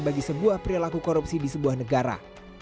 bagi sebuah perilaku korupsi di sebuah negara